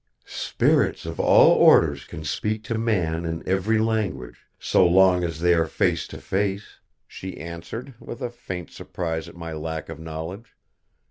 "Spirits of all orders can speak to man in every language, so long as they are face to face," she answered, with a faint surprise at my lack of knowledge.